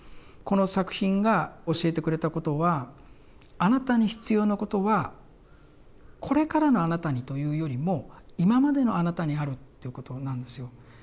この作品が教えてくれたことはあなたに必要なことはこれからのあなたにというよりも今までのあなたにあるっていうことなんですよ。